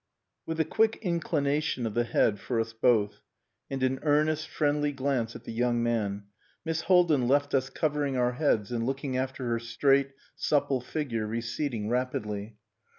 V With a quick inclination of the head for us both, and an earnest, friendly glance at the young man, Miss Haldin left us covering our heads and looking after her straight, supple figure receding rapidly.